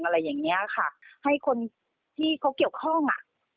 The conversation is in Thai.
อะไรอย่างเงี้ยค่ะให้คนที่เขาเกี่ยวข้องอ่ะ